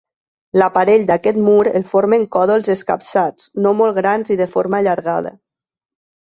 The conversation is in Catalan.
L'aparell d'aquest mur el formen còdols escapçats, no molt grans i de forma allargada.